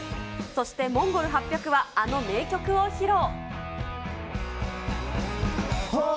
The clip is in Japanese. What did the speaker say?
そしてＭＯＮＧＯＬ８００は、あの名曲を披露。